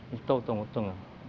ini tau tau tengah